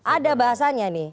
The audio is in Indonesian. ada bahasanya nih